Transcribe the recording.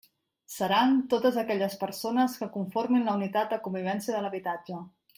Seran totes aquelles persones que conformin la unitat de convivència de l'habitatge.